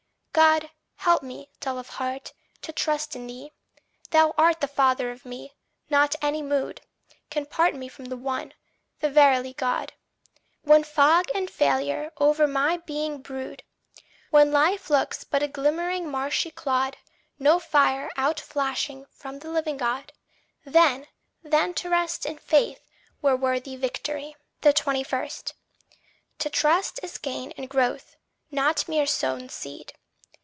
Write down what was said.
God, help me, dull of heart, to trust in thee. Thou art the father of me not any mood Can part me from the One, the verily Good. When fog and failure o'er my being brood. When life looks but a glimmering marshy clod, No fire out flashing from the living God Then, then, to rest in faith were worthy victory! 21. To trust is gain and growth, not mere sown seed!